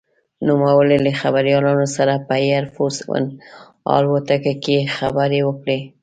نوموړي له خبریالانو سره په «اېر فورس ون» الوتکه کې خبرې وکړې.